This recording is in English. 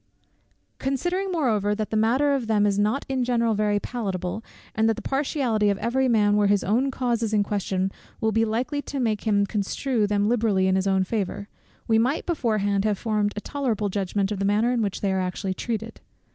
Considering moreover, that the matter of them is not in general very palatable, and that the partiality of every man where his own cause is in question, will be likely to make him construe them liberally in his own favour, we might beforehand have formed a tolerable judgment of the manner in which they are actually treated.